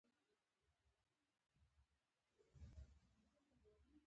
علي په تجارت کې زیان وکړ.